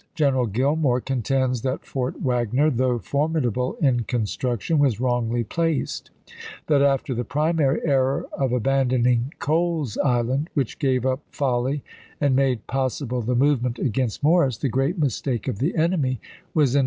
General Gillmore contends "En meer that Fort Wagner, though formidable in construc Artniery tion was wrongly placed; that after the primary tums?" error of abandoning Cole's Island, which gave up Folly and made possible the movement against FOET WAGNER 443 Morris, the great mistake of the enemy was in chap.